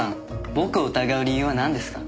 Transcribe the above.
僕を疑う理由はなんですか？